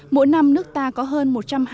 mỗi năm nước ta có hơn